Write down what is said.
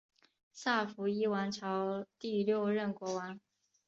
萨伏伊王朝第六任国王。